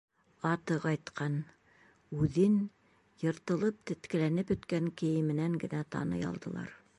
Аты ҡайтҡан, үҙен... йыртылып, теткеләнеп бөткән кейеменән генә таный алдылар.